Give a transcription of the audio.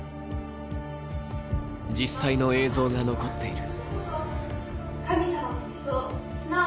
実際の映像が残っている。